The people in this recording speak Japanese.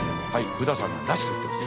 ブダさんがなしと言ってます。